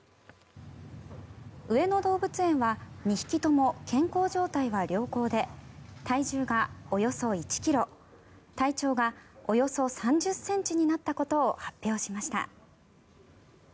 上野動物園は２匹とも健康状態は良好で体重がおよそ１ｋｇ体長がおよそ３０ｃｍになったことを発表しました。